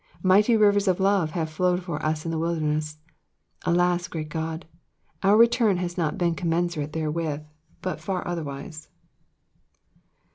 Mighty rivers of love have flowed for us in the wilderness. Alas, great God I our return has not been commensurate therewith, but far otherwise.